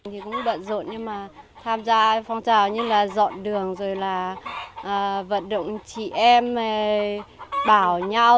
thì cũng bận rộn nhưng mà tham gia phong trào như là dọn đường rồi là vận động chị em bảo nhau